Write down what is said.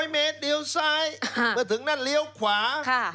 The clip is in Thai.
เมตรเดียวซ้ายเมื่อถึงนั่นเลี้ยวขวา